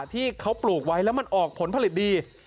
ที่เขาปลูกไว้แล้วมันออกผลผลิตดี